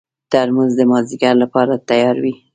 ترموز د مازدیګر لپاره تیار وي.